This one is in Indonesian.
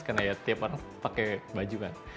karena ya tiap orang pakai baju kan